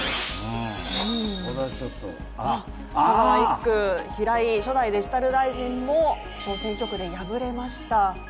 香川１区、平井初代デジタル大臣も小選挙区で敗れました。